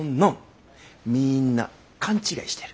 みんな勘違いしてる。